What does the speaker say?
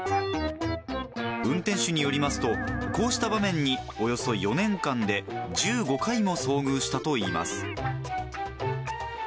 運転手によりますと、こうした場面におよそ４年間で、１５回も遭遇したといいます。